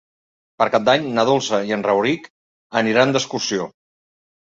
Per Cap d'Any na Dolça i en Rauric aniran d'excursió.